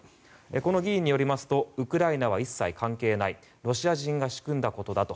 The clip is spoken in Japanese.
この議員によるとウクライナは一切関係ないロシア人が仕組んだことだと。